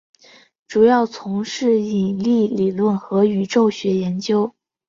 主要从事引力理论和宇宙学研究。